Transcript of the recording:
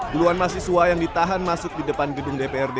puluhan mahasiswa yang ditahan masuk di depan gedung dprd